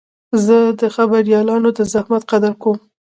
زه د خبریالانو د زحمت قدر کوم.